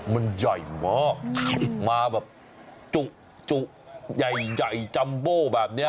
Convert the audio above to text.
มันใหญ่มากมาแบบจุใหญ่จัมโบ้แบบนี้